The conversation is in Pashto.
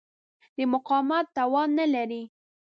د مقاومت توان نه لري.